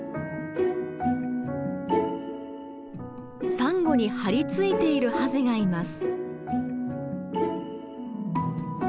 サンゴに張り付いているハゼがいます。